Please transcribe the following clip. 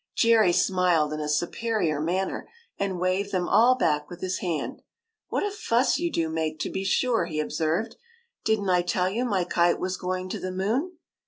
: Jerry smiled in a superior manner, and waved them all back with his hand. '' What a fuss you do make, to be sure !" he observed. '' Did n't I tell you my kite was going to the moon